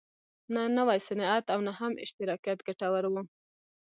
نه نوی صنعت او نه هم اشتراکیت ګټور و.